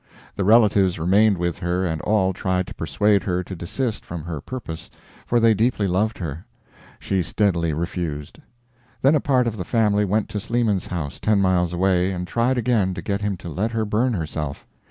The relatives remained with her and all tried to persuade her to desist from her purpose, for they deeply loved her. She steadily refused. Then a part of the family went to Sleeman's house, ten miles away, and tried again to get him to let her burn herself.